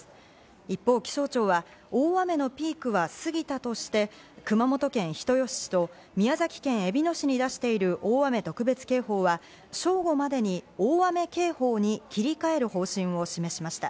一方、気象庁は大雨のピークは過ぎたとして、熊本県人吉市と宮崎県えびの市に出している大雨特別警報は正午までに大雨警報に切り替える方針を示しました。